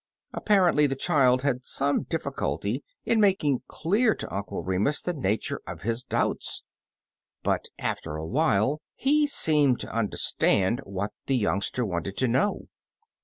Apparently the child had some difficulty in making clear to Uncle Remus the natiure of his doubts, but after a while he seemed to understand what the youngster wanted to know.